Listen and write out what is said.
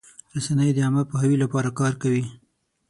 رسنۍ د عامه پوهاوي لپاره کار کوي.